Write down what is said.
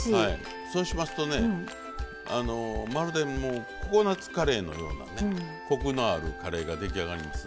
そうしますとねまるでココナツカレーのようなコクのあるカレーが出来上がります。